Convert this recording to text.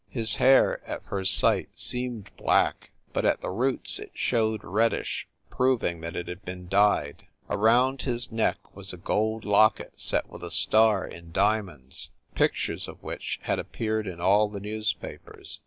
His hair, at first sight, seemed black, but at the roots it showed reddish, proving that it had been dyed. Around his neck was a gold locket set with a star in diamonds, pictures of which had appeared in all the newspapers.